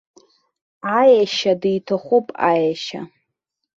Аешьа диҭахуп, аешьа!